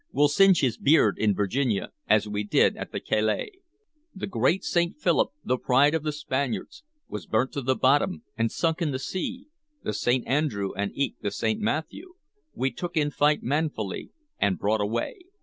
We'll singe his beard in Virginia as we did at Cales! 'The great St. Philip, the pride of the Spaniards, Was burnt to the bottom and sunk in the sea. the St. Andrew and eke the St. Matthew We took in fight manfully and brought away.'